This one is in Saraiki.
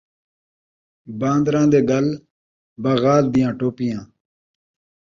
باندراں دے ڳل بانات دیا ٹوپیاں